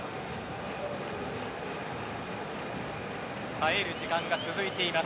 耐える時間が続いています。